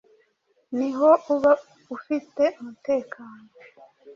niho uba ufite umutekano